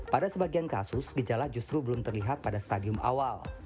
pada sebagian kasus gejala justru belum terlihat pada stadium awal